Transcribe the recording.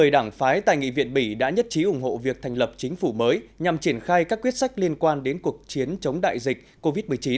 một mươi đảng phái tại nghị viện bỉ đã nhất trí ủng hộ việc thành lập chính phủ mới nhằm triển khai các quyết sách liên quan đến cuộc chiến chống đại dịch covid một mươi chín